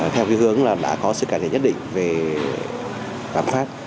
theo hướng đã có sự cải thiện nhất định về bán phát